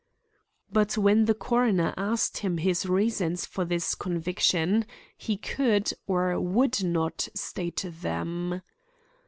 But when the coroner asked him his reasons for this conviction, he could, or would not state them.